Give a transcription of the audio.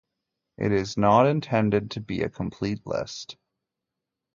It is not intended to be a complete list.